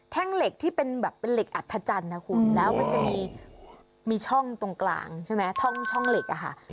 เหล็กที่เป็นแบบเป็นเหล็กอัธจันทร์นะคุณแล้วมันจะมีช่องตรงกลางใช่ไหมช่องเหล็กอะค่ะ